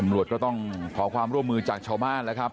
ก็ต้องขอความร่วมมือจากชาวบ้านแล้วครับ